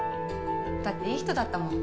だっていい人だったもん。